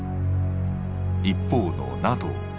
一方のＮＡＴＯ。